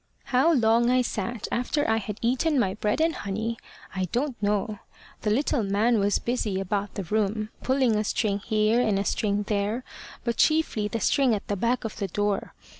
"How long I sat after I had eaten my bread and honey, I don't know. The little man was busy about the room, pulling a string here, and a string there, but chiefly the string at the back of the door.